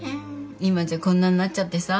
今じゃこんなんなっちゃってさ。